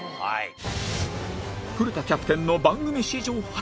古田キャプテンの番組史上初！